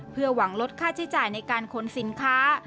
เพื่อหวังลดค่าใช้จ่ายในการขนสินค้า